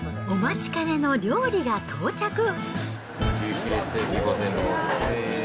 お待ちかねの料理が到着。